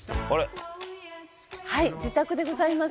「はい自宅でございます」